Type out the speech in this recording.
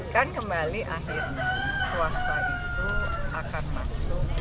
kan kembali akhirnya swasta itu akan masuk